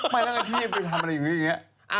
ไม่ผมยังไปทำอะไรอยู่ที่เนี้ย